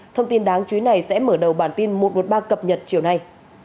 thông tin đáng chú ý này sẽ mở đầu bản tin một trăm một mươi ba cập nhật chiều nay